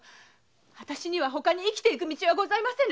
私にはほかに生きていく道はございませぬ。